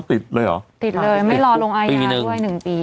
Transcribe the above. ติดเลยไม่รอลงอายาทด้วย๑ปี